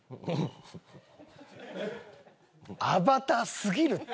『アバター』すぎるって！